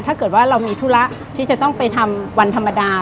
ถ้าเกิดว่าเรามีธุระที่จะต้องไปทำวันธรรมดา